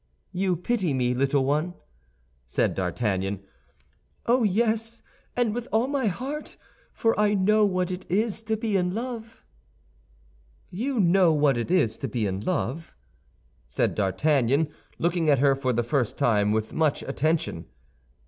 "You pity me, little one?" said D'Artagnan. "Oh, yes, and with all my heart; for I know what it is to be in love." "You know what it is to be in love?" said D'Artagnan, looking at her for the first time with much attention.